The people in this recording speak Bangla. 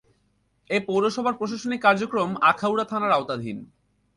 এ পৌরসভার প্রশাসনিক কার্যক্রম আখাউড়া থানার আওতাধীন।